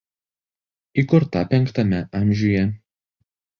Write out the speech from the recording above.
Įkurta V amžiuje.